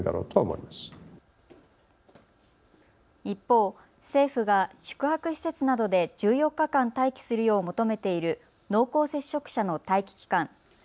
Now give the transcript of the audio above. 一方、政府が宿泊施設などで１４日間、待機するよう求めている濃厚接触者の待機期間。